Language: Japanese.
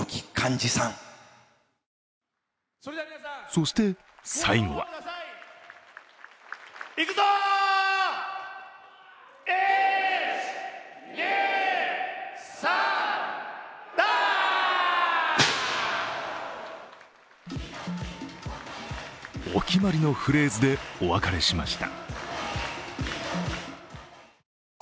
そして、最後はお決まりのフレーズでお別れしました。